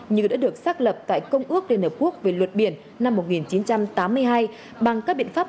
như đã được xác lập tại công ước đnpq về luật biển năm một nghìn chín trăm tám mươi hai bằng các biện pháp